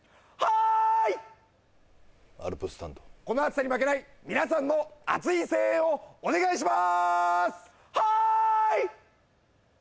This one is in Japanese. この暑さに負けない皆さんの熱い声援をお願いします！